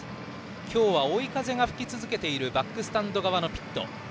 今日は追い風が吹き続けているバックスタンド側のピット。